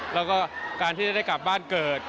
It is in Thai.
แล้วก็การที่จะได้กลับบ้านเกิด